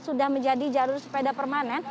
sudah menjadi jalur sepeda permanen